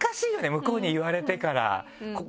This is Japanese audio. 向こうに言われてから。